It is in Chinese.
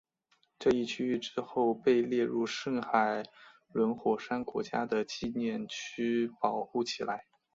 这一区域之后被列入圣海伦火山国家纪念区保护起来。